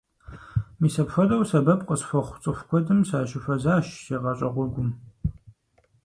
Мис апхуэдэу сэбэп къысхуэхъу цӀыху куэдым сащыхуэзащ си гъащӀэ гъуэгум.